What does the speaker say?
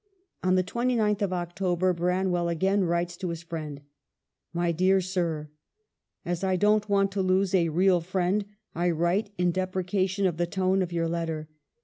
On the 29th of October Branwell again writes to his friend :" My dear Sir, "As I don't want to lose a real friend, I write in deprecation of the tone of your letter.